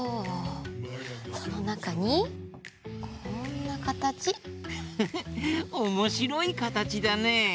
このなかにこんなかたち。フフッおもしろいかたちだね。